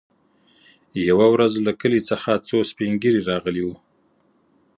يوه ورځ له کلي څخه څو سپين ږيري راغلي وو.